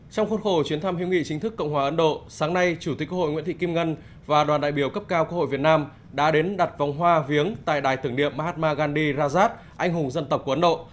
trong khuôn khổ chuyến thăm hữu nghị chính thức cộng hòa ấn độ sáng nay chủ tịch quốc hội nguyễn thị kim ngân và đoàn đại biểu cấp cao quốc hội việt nam đã đến đặt vòng hoa viếng tại đài tưởng niệm hadma gandhi rajat anh hùng dân tộc của ấn độ